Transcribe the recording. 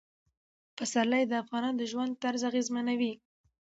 پسرلی د افغانانو د ژوند طرز اغېزمنوي.